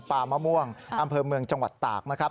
มะม่วงอำเภอเมืองจังหวัดตากนะครับ